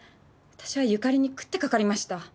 私は由佳里に食ってかかりました。